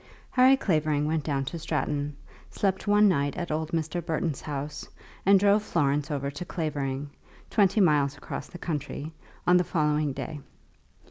Harry Clavering went down to Stratton, slept one night at old Mr. Burton's house, and drove Florence over to Clavering, twenty miles across the country, on the following day.